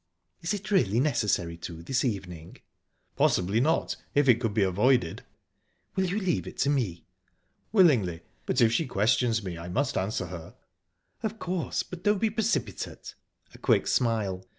"Is it really necessary to this evening?" "Possibly not, if it could be avoided." "Will you leave it to me?" "Willingly; but if she questions me, I must answer her." "Of course, but don't be precipitate." A quick smile.